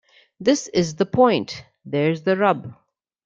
This is the point. There's the rub.